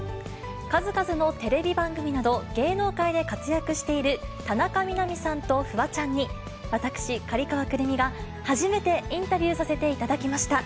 数々のテレビ番組など、芸能界で活躍している田中みな実さんとフワちゃんに、私、刈川くるみが、初めてインタビューさせていただきました。